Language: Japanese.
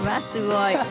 すごい。